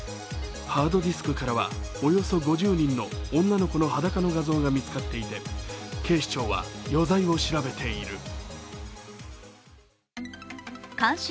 ハードディスクからはおよそ５０人の女の子の裸の画像が見つかっていて警視庁は余罪を調べている。